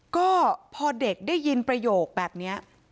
ก็พอเด็กได้ยินประโยคแบบนี้